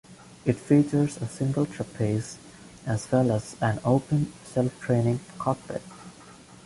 It features a single trapeze as well as an open, self-draining cockpit.